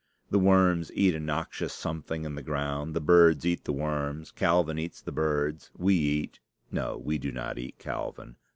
The worms eat a noxious something in the ground. The birds eat the worms. Calvin eats the birds. We eat no, we do not eat Calvin.